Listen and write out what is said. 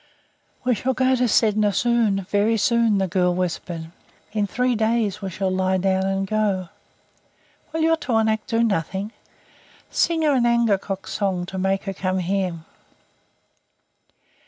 "We shall go to Sedna soon very soon," the girl whispered. "In three days we shall lie down and go. Will your tornaq do nothing? Sing her an angekok's song to make her come here."